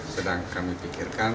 sedang kami pikirkan